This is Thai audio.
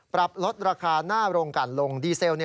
ปรับลดราคาหน้าโรงการลงดีเซล